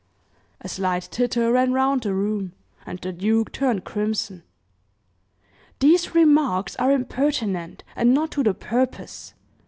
A slight titter ran round the room, and the duke turned crimson. "These remarks are impertinent, and not to the purpose.